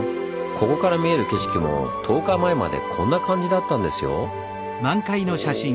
ここから見える景色も１０日前までこんな感じだったんですよ。